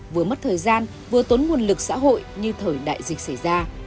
vừa mất thời gian vừa tốn nguồn lực xã hội như thời đại dịch xảy ra